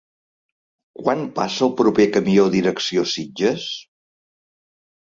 Quan passa el proper camió direcció Sitges?